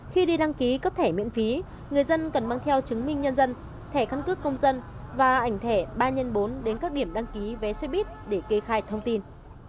khi đi đăng ký cấp thẻ miễn phí người dân cần mang theo chứng minh nhân dân thẻ căn cước công dân và ảnh thẻ ba x bốn đến các điểm đăng ký vé xe buýt để kê khai thông tin